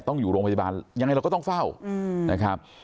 ต้องอยู่โรงพยาบาลยังไงเราก็ต้องเฝ้านะครับ